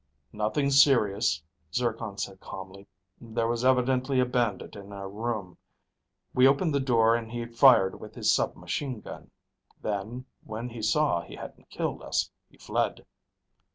"Nothing serious," Zircon said calmly. "There was evidently a bandit in our room. We opened the door and he fired with his submachine gun. Then, when he saw he hadn't killed us, he fled."